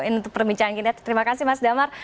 ini untuk perbincangan kita terima kasih mas damar